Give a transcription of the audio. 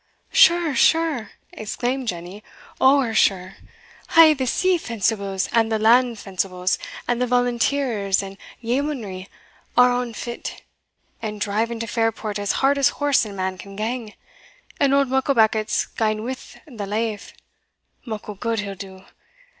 "Sure, sure!" exclaimed Jenny "ower sure! a' the sea fencibles, and the land fencibles, and the volunteers and yeomanry, are on fit, and driving to Fairport as hard as horse and man can gang and auld Mucklebackit's gane wi' the lave muckle gude he'll do!